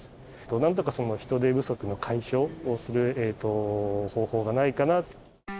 なんとかその人手不足の解消をする方法がないかなと。